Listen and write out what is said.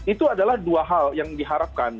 itu adalah dua hal yang diharapkan